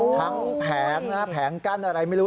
แผงนะแผงกั้นอะไรไม่รู้